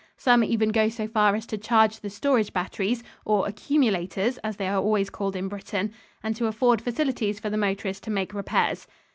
Some even go so far as to charge the storage batteries, or "accumulators," as they are always called in Britain, and to afford facilities for the motorist to make repairs.